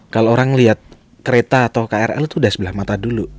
kalau orang lihat kereta atau krl itu udah sebelah mata dulu